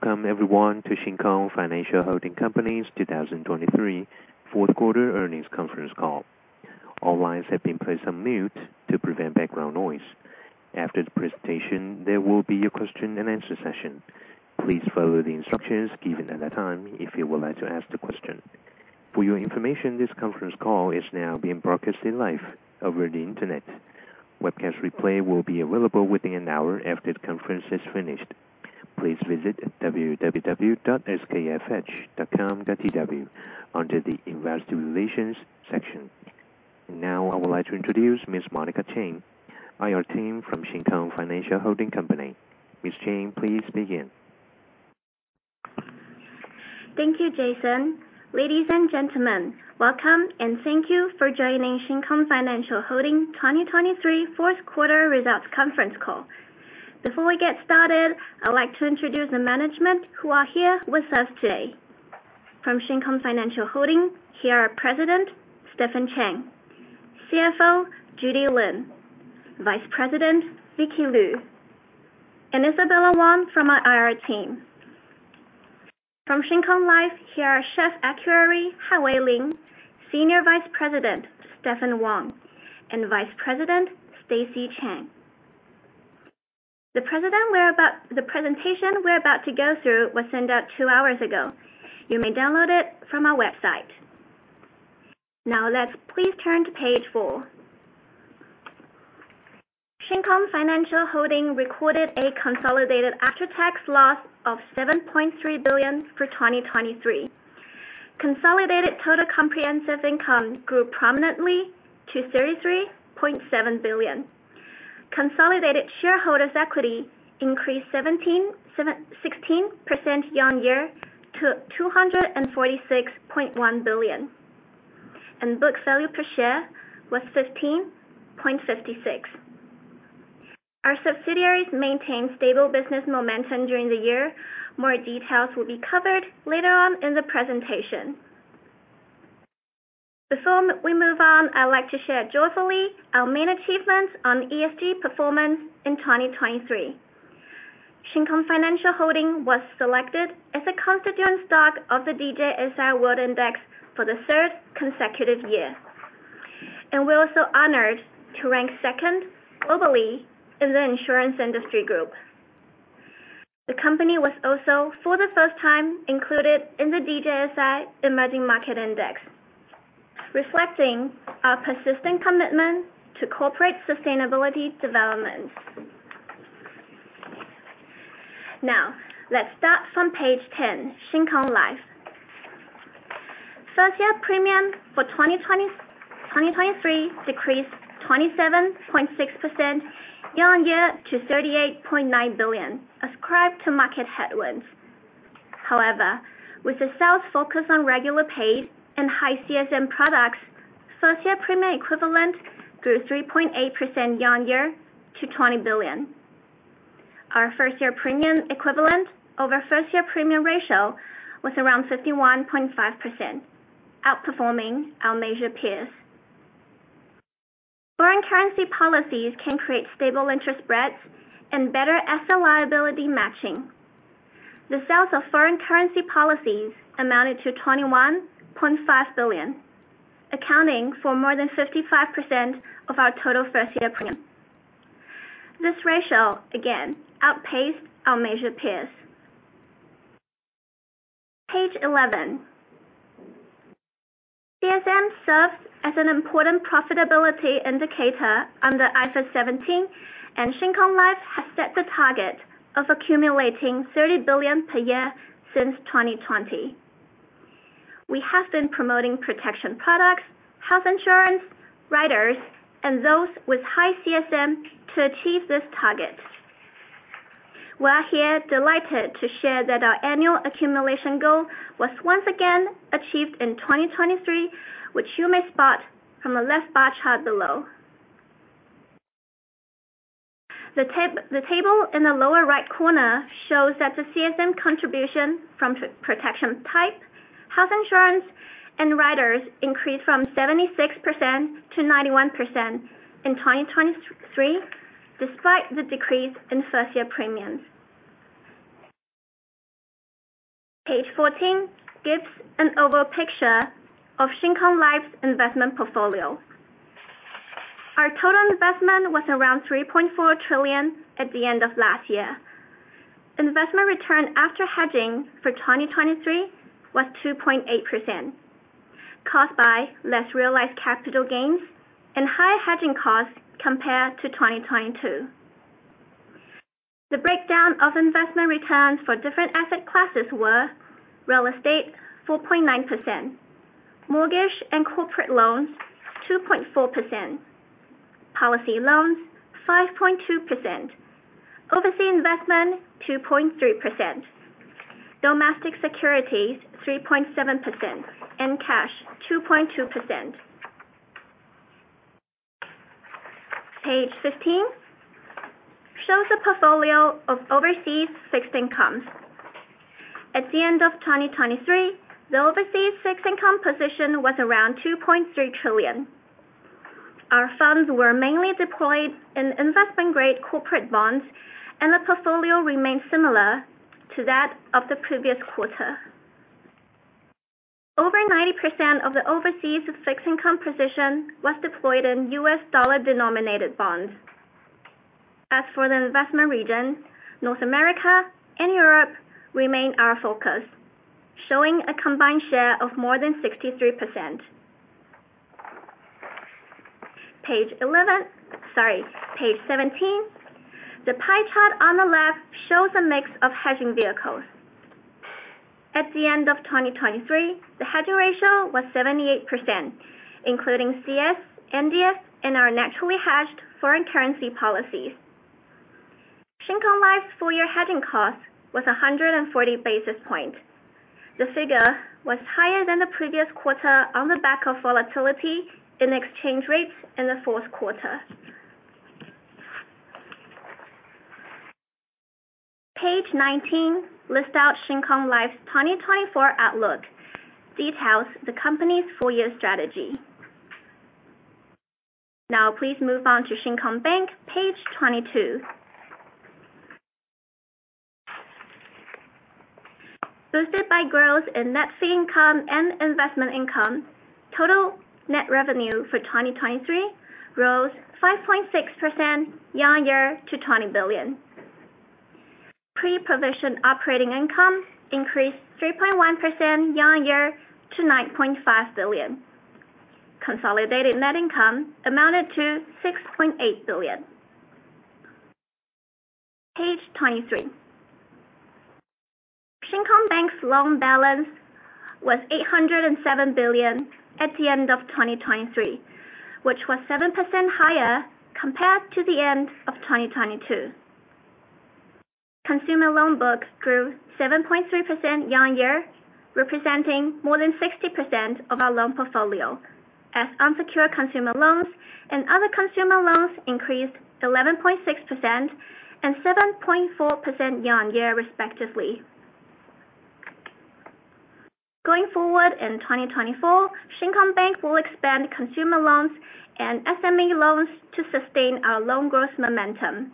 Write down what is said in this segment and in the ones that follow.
Welcome, everyone, to Shin Kong Financial Holding Company’s 2023 fourth quarter earnings conference call. All lines have been placed on mute to prevent background noise. After the presentation, there will be a question-and-answer session. Please follow the instructions given at that time if you would like to ask a question. For your information, this conference call is now being broadcast live over the internet. Webcast replay will be available within an hour after the conference is finished. Please visit www.skfh.com.tw under the Investor Relations section. Now I would like to introduce Ms. Monica Chang, IR team from Shin Kong Financial Holding Company. Ms. Chang, please begin. Thank you, Jason. Ladies and gentlemen, welcome and thank you for joining Shin Kong Financial Holdings' 2023 fourth quarter results conference call. Before we get started, I'd like to introduce the management who are here with us today. From Shin Kong Financial Holdings, here are President Stephen Chen, CFO Judy Lin, Vice President Vicky Lu, and Isabella Wang from our IR team. From Shin Kong Life, here are Chief Actuary Hanwei Lin, Senior Vice President Stephen Wang, and Vice President Stacey Chen. The presentation we're about to go through was sent out two hours ago. You may download it from our website. Now let's please turn to page four. Shin Kong Financial Holdings recorded a consolidated after-tax loss of 7.3 billion for 2023. Consolidated total comprehensive income grew prominently to 33.7 billion. Consolidated shareholders' equity increased 16% year-on-year to 246.1 billion, and book value per share was 15.56. Our subsidiaries maintain stable business momentum during the year. More details will be covered later on in the presentation. Before we move on, I'd like to share joyfully our main achievements on ESG performance in 2023. Shin Kong Financial Holdings was selected as a constituent stock of the DJSI World Index for the third consecutive year, and we're also honored to rank second globally in the insurance industry group. The company was also, for the first time, included in the DJSI Emerging Markets Index, reflecting our persistent commitment to corporate sustainability developments. Now let's start from page 10, Shin Kong Life. First-year premium for 2023 decreased 27.6% year-on-year to 38.9 billion, ascribed to market headwinds. However, with the sales focus on regular paid and high CSM products, first-year premium equivalent grew 3.8% year-on-year to TWD 20 billion. Our first-year premium equivalent over first-year premium ratio was around 51.5%, outperforming our major peers. Foreign currency policies can create stable interest spreads and better asset liability matching. The sales of foreign currency policies amounted to 21.5 billion, accounting for more than 55% of our total first-year premium. This ratio, again, outpaced our major peers. Page 11. CSM serves as an important profitability indicator under IFRS 17, and Shin Kong Life has set the target of accumulating 30 billion per year since 2020. We have been promoting protection products, health insurance, riders, and those with high CSM to achieve this target. We are here delighted to share that our annual accumulation goal was once again achieved in 2023, which you may spot from the left bar chart below. The table in the lower right corner shows that the CSM contribution from protection type, health insurance, and riders increased from 76%-91% in 2023, despite the decrease in first-year premiums. Page 14 gives an overall picture of Shin Kong Life's investment portfolio. Our total investment was around 3.4 trillion at the end of last year. Investment return after hedging for 2023 was 2.8%, caused by less realized capital gains and higher hedging costs compared to 2022. The breakdown of investment returns for different asset classes was: real estate 4.9%, mortgage and corporate loans 2.4%, policy loans 5.2%, overseas investment 2.3%, domestic securities 3.7%, and cash 2.2%. Page 15 shows a portfolio of overseas fixed incomes. At the end of 2023, the overseas fixed income position was around 2.3 trillion. Our funds were mainly deployed in investment-grade corporate bonds, and the portfolio remained similar to that of the previous quarter. Over 90% of the overseas fixed income position was deployed in US dollar-denominated bonds. As for the investment region, North America and Europe remain our focus, showing a combined share of more than 63%. Page 11 sorry, page 17. The pie chart on the left shows a mix of hedging vehicles. At the end of 2023, the hedging ratio was 78%, including CS, NDF, and our naturally hedged foreign currency policies. Shin Kong Life's full-year hedging cost was 140 basis points. The figure was higher than the previous quarter on the back of volatility in exchange rates in the fourth quarter. Page 19 lists out Shin Kong Life's 2024 outlook. Details the company's full-year strategy. Now please move on to Shin Kong Bank, page 22. Boosted by growth in net fee income and investment income, total net revenue for 2023 rose 5.6% year-on-year to TWD 20 billion. Pre-provision operating income increased 3.1% year-on-year to 9.5 billion. Consolidated net income amounted to 6.8 billion. Page 23. Shin Kong Bank's loan balance was 807 billion at the end of 2023, which was 7% higher compared to the end of 2022. Consumer loan book grew 7.3% year-on-year, representing more than 60% of our loan portfolio, as unsecured consumer loans and other consumer loans increased 11.6% and 7.4% year-on-year, respectively. Going forward in 2024, Shin Kong Bank will expand consumer loans and SME loans to sustain our loan growth momentum,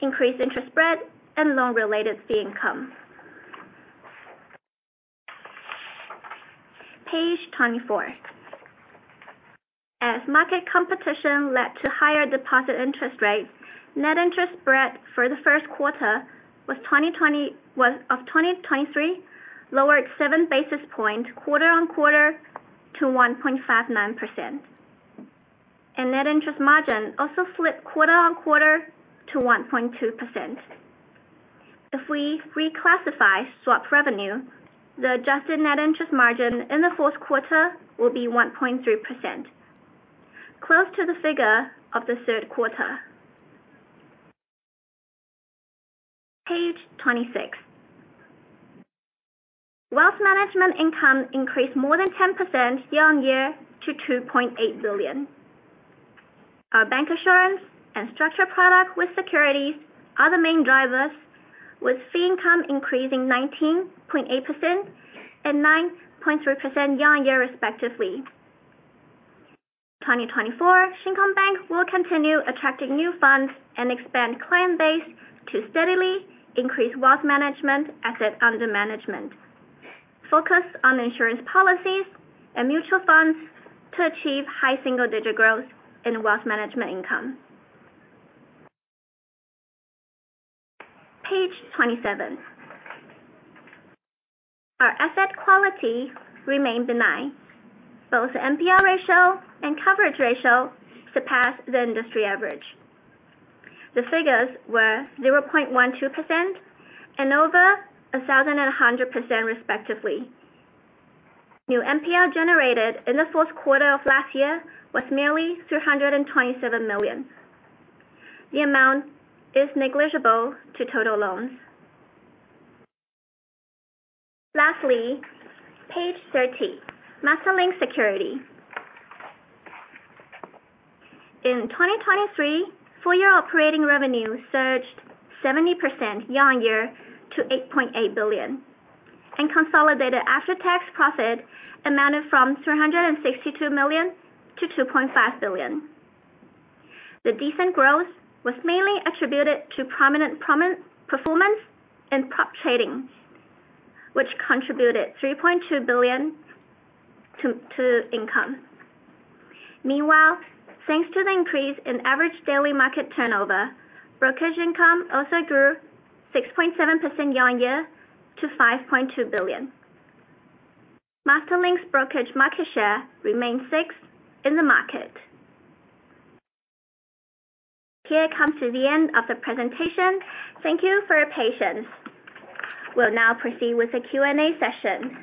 increase interest spread, and loan-related fee income. Page 24. As market competition led to higher deposit interest rates, net interest spread for the first quarter of 2023 lowered 7 basis points quarter-on-quarter to 1.59%, and net interest margin also flipped quarter-on-quarter to 1.2%. If we reclassify swap revenue, the adjusted net interest margin in the fourth quarter will be 1.3%, close to the figure of the third quarter. Page 26. Wealth management income increased more than 10% year-on-year to 2.8 billion. Our bancassurance and structured product with securities are the main drivers, with fee income increasing 19.8% and 9.3% year-on-year, respectively. In 2024, Shin Kong Bank will continue attracting new funds and expand client base to steadily increase wealth management asset under management, focus on insurance policies and mutual funds to achieve high single-digit growth in wealth management income. Page 27. Our asset quality remained benign. Both the NPL ratio and coverage ratio surpassed the industry average. The figures were 0.12% and over 1,100%, respectively. New NPL generated in the fourth quarter of last year was merely 327 million. The amount is negligible to total loans. Lastly, page 30, MasterLink Securities. In 2023, full-year operating revenue surged 70% year-on-year to 8.8 billion and consolidated after-tax profit amounted from 362 million to 2.5 billion. The decent growth was mainly attributed to prominent performance in prop trading, which contributed 3.2 billion to income. Meanwhile, thanks to the increase in average daily market turnover, brokerage income also grew 6.7% year-on-year to 5.2 billion. MasterLink's brokerage market share remained 6% in the market. Here comes to the end of the presentation. Thank you for your patience. We'll now proceed with the Q&A session.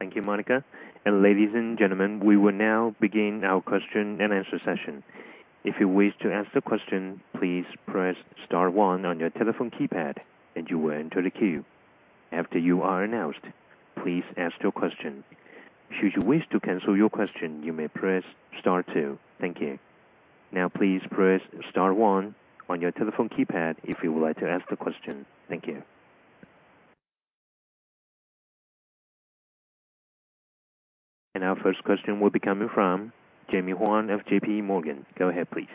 Thank you, Monica. And ladies and gentlemen, we will now begin our question and answer session. If you wish to ask a question, please press star one on your telephone keypad, and you will enter the queue. After you are announced, please ask your question. Should you wish to cancel your question, you may press star two. Thank you. Now please press star one on your telephone keypad if you would like to ask the question. Thank you. And our first question will be coming from Jemmy Huang of JPMorgan. Go ahead, please.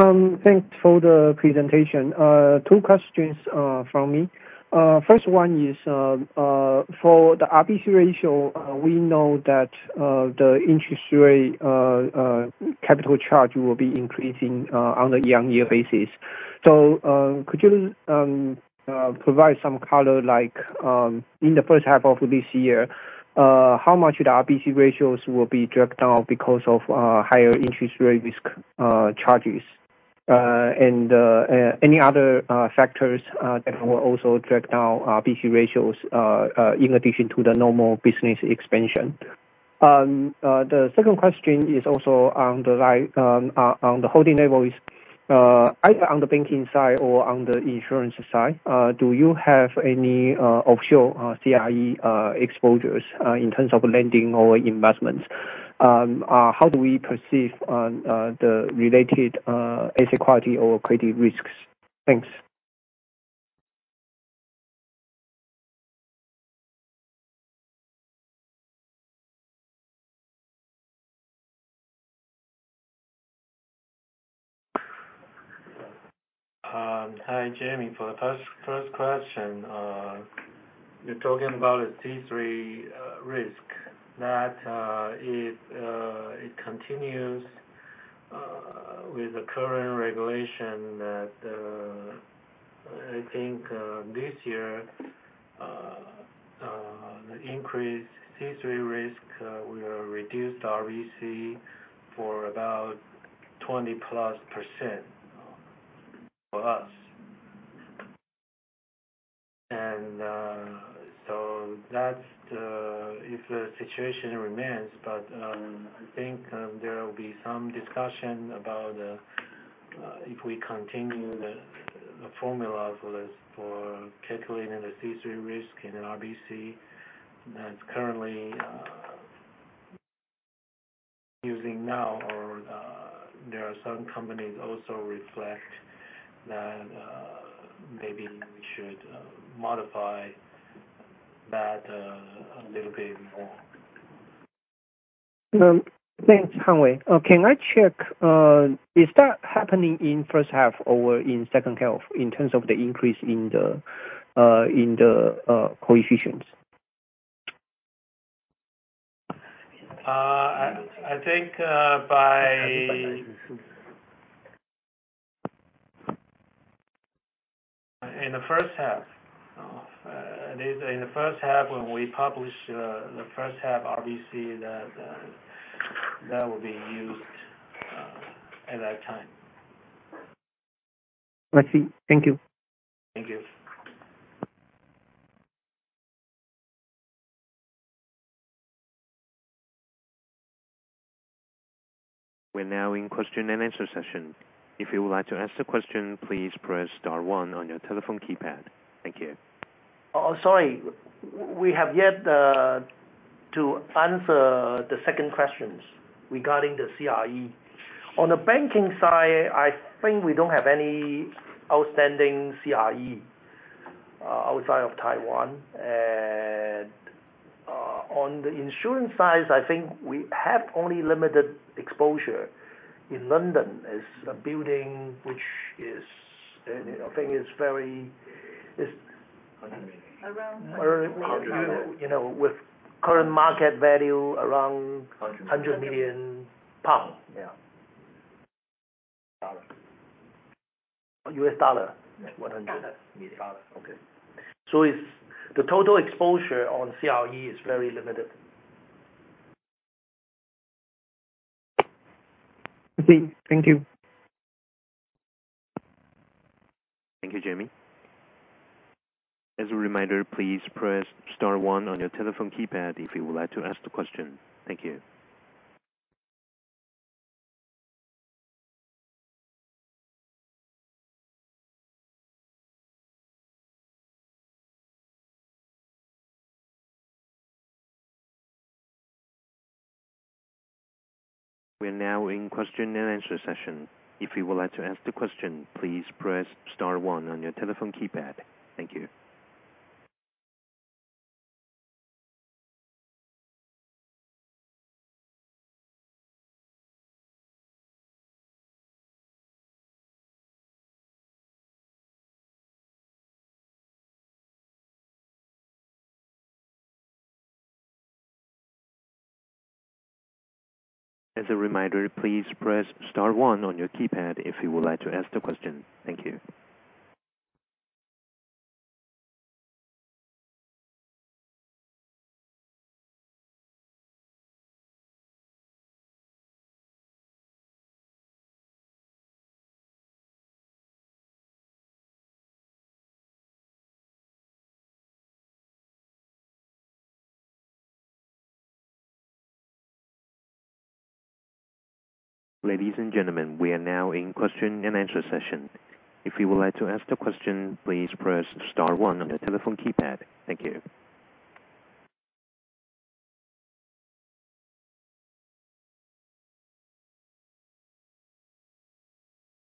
Thanks for the presentation. Two questions from me. First one is, for the RBC ratio, we know that the interest rate capital charge will be increasing on a year-on-year basis. So could you provide some color like in the first half of this year, how much the RBC ratios will be dragged down because of higher interest rate risk charges, and any other factors that will also drag down RBC ratios in addition to the normal business expansion? The second question is also on the holding levels, either on the banking side or on the insurance side. Do you have any offshore CRE exposures in terms of lending or investments? How do we perceive the related asset quality or credit risks? Thanks. Hi, Jemmy. For the first question, you're talking about a C3 risk that if it continues with the current regulation, I think this year, the increased C3 risk will reduce the RBC for about 20+% for us. And so that's if the situation remains. But I think there will be some discussion about if we continue the formula for calculating the C3 risk in an RBC that's currently using now, or there are some companies also reflect that maybe we should modify that a little bit more. Thanks, Hanwei. Can I check, is that happening in first half or in second half in terms of the increase in the coefficients? I think by the end of the first half. At least in the first half, when we publish the first half RBC, that will be used at that time. I see. Thank you. Thank you. We're now in question and answer session. If you would like to ask the question, please press star one on your telephone keypad. Thank you. Sorry. We have yet to answer the second questions regarding the CRE. On the banking side, I think we don't have any outstanding CRE outside of Taiwan. And on the insurance side, I think we have only limited exposure in London as a building, which I think is very around with current market value around 100 million pounds. Yeah. US dollar, $100 million. Dollar. Million. Okay. The total exposure on CRE is very limited. I see. Thank you. Thank you, Jamie. As a reminder, please press star one on your telephone keypad if you would like to ask the question. Thank you. We're now in question and answer session. If you would like to ask the question, please press star one on your telephone keypad. Thank you. As a reminder, please press star one on your keypad if you would like to ask the question. Thank you. Ladies and gentlemen, we are now in question and answer session. If you would like to ask the question, please press star one on your telephone keypad. Thank you.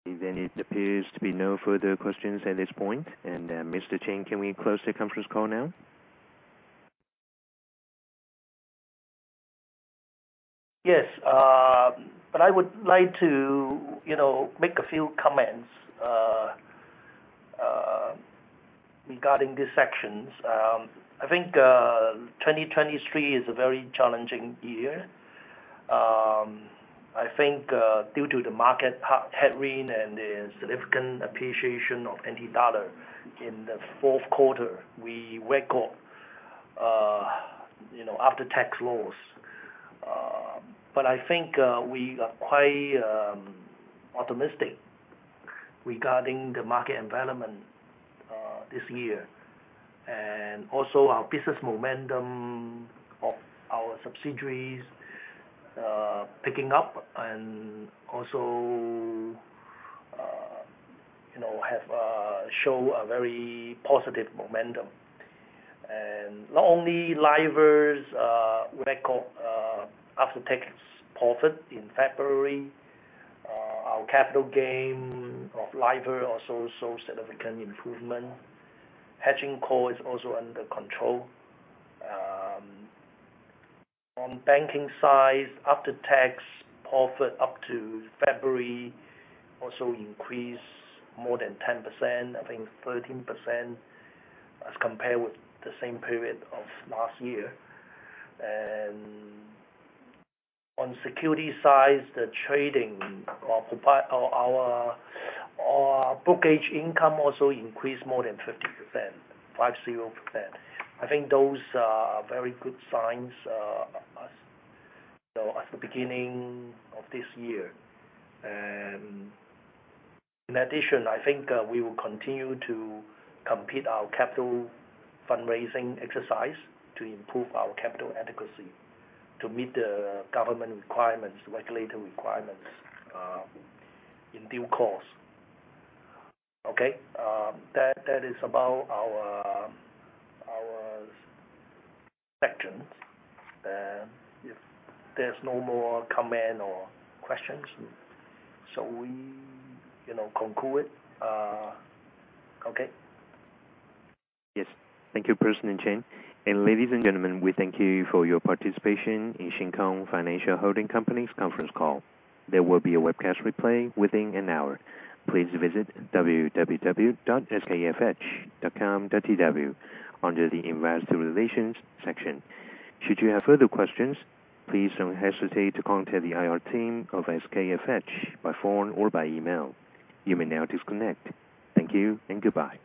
It appears to be no further questions at this point. Mr. Chen, can we close the conference call now? Yes. But I would like to make a few comments regarding these sections. I think 2023 is a very challenging year. I think due to the market headwind and the significant appreciation of NT dollar in the fourth quarter, we record after-tax loss. But I think we are quite optimistic regarding the market environment this year and also our business momentum of our subsidiaries picking up and also show a very positive momentum. And not only Life's record after-tax profit in February, our capital gain of Life also saw significant improvement. Hedging cost is also under control. On banking side, after-tax profit up to February also increased more than 10%, I think 13%, as compared with the same period of last year. And on security side, the trading or our brokerage income also increased more than 50%, 50%. I think those are very good signs at the beginning of this year. In addition, I think we will continue to complete our capital fundraising exercise to improve our capital adequacy to meet the government requirements, regulatory requirements in due course. Okay? That is about our session. If there's no more comments or questions, so we conclude it. Okay? Yes. Thank you, President Chen. Ladies and gentlemen, we thank you for your participation in Shin Kong Financial Holding Company's conference call. There will be a webcast replay within an hour. Please visit www.skfh.com.tw under the Investor Relations section. Should you have further questions, please don't hesitate to contact the IR team of SKFH by phone or by email. You may now disconnect. Thank you and goodbye.